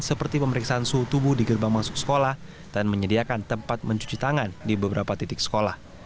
seperti pemeriksaan suhu tubuh di gerbang masuk sekolah dan menyediakan tempat mencuci tangan di beberapa titik sekolah